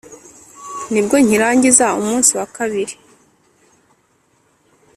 nibwo nkirangiza umunsi wa kabiri